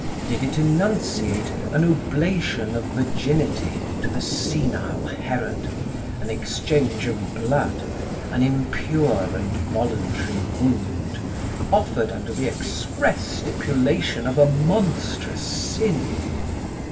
Did it enunciate an oblation of virginity to the senile Herod, an exchange of blood, an impure and voluntary wound, offered under the express stipulation of a monstrous sin?